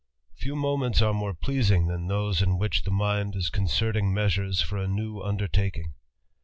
Few moments are more pleasing t han those in w]iirh mind is concerting measures for a new undertaking..